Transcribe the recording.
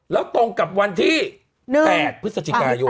แล้วตรงกับวันที่๘พฤศจิกายน